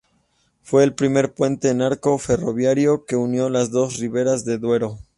Fue el primer puente en arco ferroviario que unió las dos riberas del Duero.